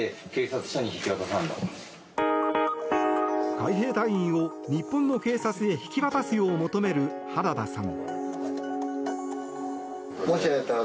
海兵隊員を日本の警察へ引き渡すよう求める原田さん。